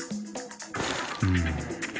うん。